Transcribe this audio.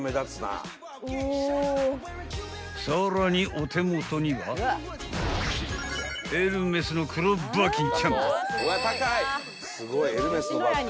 ［さらにお手元にはエルメスの黒バーキンちゃん］